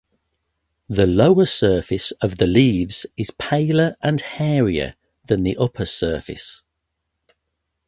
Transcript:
The lower surface of the leaves is paler and hairier than the upper surface.